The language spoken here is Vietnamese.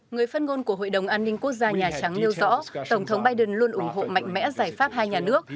người phát ngôn của hội đồng an ninh quốc gia nhà trắng nêu rõ tổng thống biden luôn ủng hộ mạnh mẽ giải pháp hai nhà nước